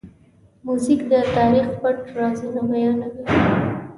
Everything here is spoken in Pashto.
موزیک د تاریخ پټ رازونه بیانوي.